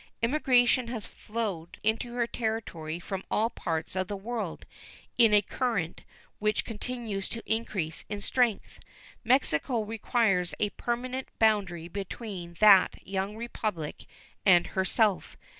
Emigration has flowed into her territory from all parts of the world in a current which continues to increase in strength. Mexico requires a permanent boundary between that young Republic and herself.